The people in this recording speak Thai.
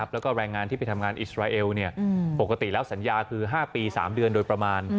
แล้วก็แรงงานที่ไปทำงานอิสราเอลปกติแล้วสัญญาคือ๕ปี๓เดือนโดยประมาณ